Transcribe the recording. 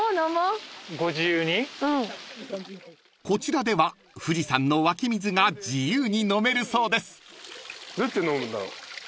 ［こちらでは富士山の湧き水が自由に飲めるそうです］